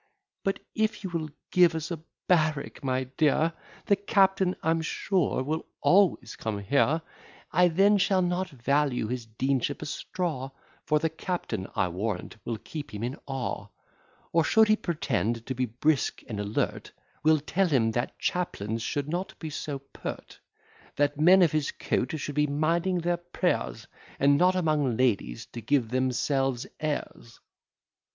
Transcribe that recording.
But if you will give us a barrack, my dear, The captain I'm sure will always come here; I then shall not value his deanship a straw, For the captain, I warrant, will keep him in awe; Or, should he pretend to be brisk and alert, Will tell him that chaplains should not be so pert; That men of his coat should be minding their prayers, And not among ladies to give themselves airs."